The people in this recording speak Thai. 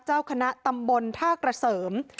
เจ้าคณะตำบลท่ากระเสริม